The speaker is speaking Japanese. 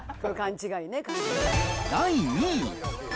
第２位。